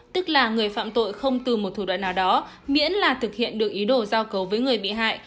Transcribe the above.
tức là người phạm tội không từ một thủ đoạn nào đó miễn là thực hiện được ý đồ giao cầu với người bị hại